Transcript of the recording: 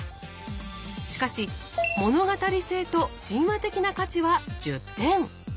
しかし「物語性」と「神話的な価値」は１０点。